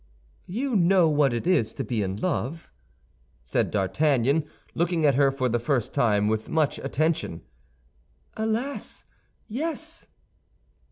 "You know what it is to be in love?" said D'Artagnan, looking at her for the first time with much attention. "Alas, yes."